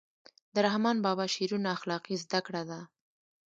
د رحمان بابا شعرونه اخلاقي زده کړه ده.